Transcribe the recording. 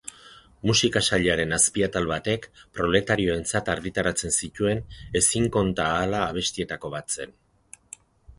Musika Sailaren azpiatal batek proletarioentzat argitaratzen zituen ezin konta ahala abestietako bat zen.